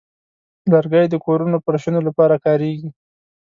لرګی د کورونو فرشونو لپاره کاریږي.